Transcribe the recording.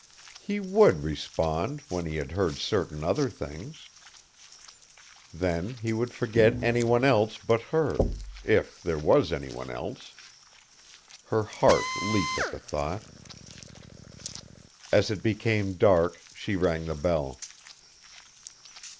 He would respond when he had heard certain other things. Then he would forget any one else but her if there was any one else. Her heart leaped at the thought. As it became dark she rang the bell.